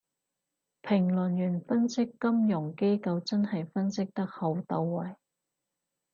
評論員分析金融機構真係分析得好到位